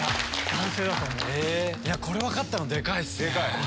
これ分かったのでかいっすね。